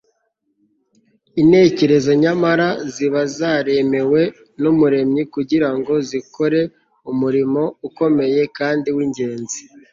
intekerezo nyamara ziba zararemwe n'umuremyi kugira ngo zikore umurimo ukomeye kandi w'ingenzi